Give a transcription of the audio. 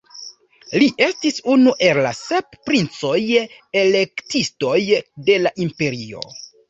Li estis unu el la sep princoj-elektistoj de la imperio.